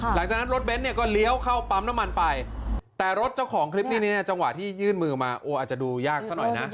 หลังจากนั้นรถเบ้นเนี่ยก็เลี้ยวเข้าปั๊มน้ำมันไปแต่รถเจ้าของคลิปนี้เนี่ยจังหวะที่ยื่นมือมาโอ้อาจจะดูยากซะหน่อยนะ